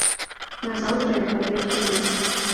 Назаўтра я пабег туды.